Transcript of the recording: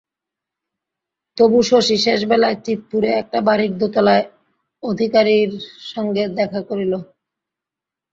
তবু শশী শেষবেলায় চিৎপুরে একটা বাড়ির দোতলায় অধিকারীর সঙ্গে দেখা করিল।